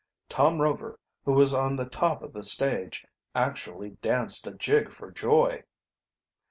Tom Rover, who was on the top of the stage, actually danced a jig for joy.